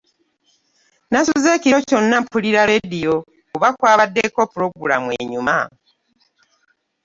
Nasuze ekiro kyonna mpuliriza laadiyo kuba kwabaddeko pulogulamu enyuma.